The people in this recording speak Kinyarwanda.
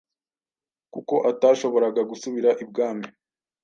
kuko atashoboraga gusubira i bwami